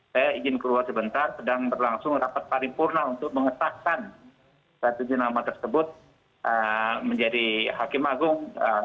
saya ingin keluar sebentar sedang berlangsung rapat paripurna untuk mengesahkan tujuh nama tersebut menjadi hakim agung